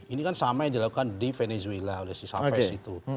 ini kan sama yang dilakukan di venezuela oleh si savez itu